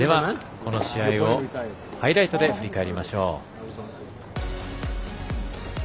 この試合をハイライトで振り返りましょう。